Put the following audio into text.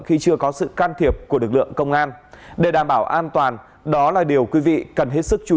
khi chưa có sự can thiệp của lực lượng công an để đảm bảo an toàn đó là điều quý vị cần hết sức chú ý